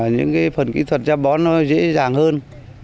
những phần kỹ thuật giam bón dễ dàng hơn